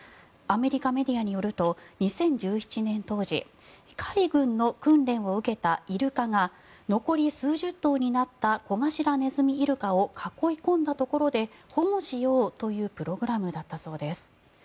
アメリカメディアによると２０１７年当時海軍の訓練を受けたイルカが残り数十頭になったコガシラネズミイルカを囲い込んだところで保護しようというプログラムだったそうです。